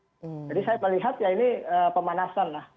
jadi saya melihat ya ini pemanasan lah